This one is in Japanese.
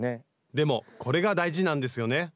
でもこれが大事なんですよね